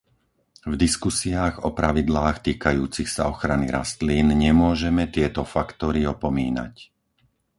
V diskusiách o pravidlách týkajúcich sa ochrany rastlín nemôžeme tieto faktory opomínať.